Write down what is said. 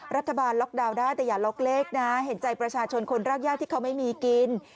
รัฐบาลล็อกดาวน์ได้แต่อย่าล็อกเลขนะเห็นใจประชาชนคนรากยากที่เขาไม่มีกิน